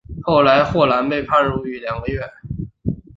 后来霍兰被判入狱两个月。